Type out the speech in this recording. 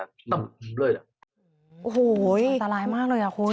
โอ้โหอันตรายมากเลยอ่ะคุณ